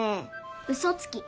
うそつき。